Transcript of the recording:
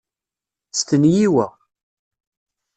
Stenyi wa.